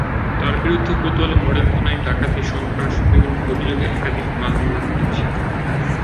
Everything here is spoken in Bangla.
তাঁর বিরুদ্ধে কোতোয়ালি মডেল থানায় ডাকাতি, সন্ত্রাসসহ বিভিন্ন অভিযোগে একাধিক মামলা আছে।